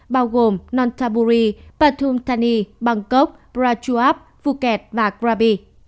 bao gồm nonthaburi pathumthani bangkok prachuap phuket và krabi